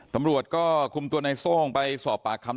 พร้อมถ้ามรวดก็คุมตัวในโซงไปสอบปากคำ